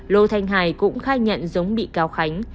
lô thanh hải cũng khai nhận giống bị cáo khánh